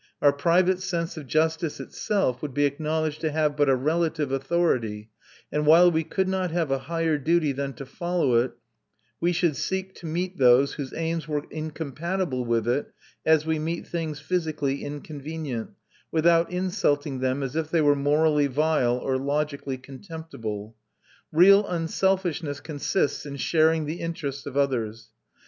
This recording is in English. Our private sense of justice itself would be acknowledged to have but a relative authority, and while we could not have a higher duty than to follow it, we should seek to meet those whose aims were incompatible with it as we meet things physically inconvenient, without insulting them as if they were morally vile or logically contemptible. Real unselfishness consists in sharing the interests of others.